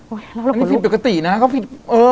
โอ๊ยแล้วแล้วพี่ปกตินะเขาผิดเออ